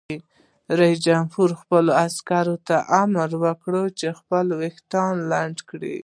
رئیس جمهور خپلو عسکرو ته امر وکړ؛ خپل ویښتان لنډ کړئ!